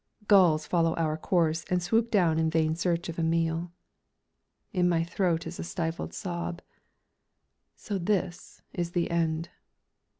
Gulls follow our course and swoop down in vain search of a meal! In my throat is a stifled sob. So this is the end.